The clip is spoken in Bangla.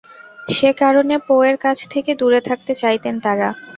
সে কারণে পো-এর কাছ থেকে দূরে থাকতে চাইতেন তারা।